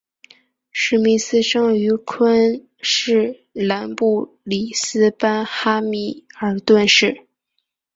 史密斯生于昆士兰布里斯班哈密尔顿市。